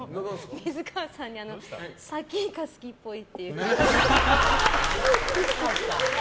水川さんにサキイカ好きっぽい。